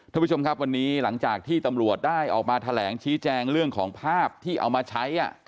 ท่านผู้ชมครับวันนี้หลังจากที่ตำรวจได้ออกมาแถลงชี้แจงเรื่องของภาพที่เอามาใช้